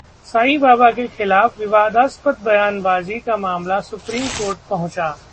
साईं बाबा के खिलाफ विवादास्पद बयानबाजी का मामला सुप्रीम कोर्ट पहुंचा